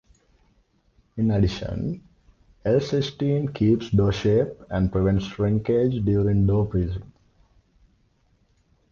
In addition, L-cysteine keeps dough shape and prevents shrinkage during dough freezing.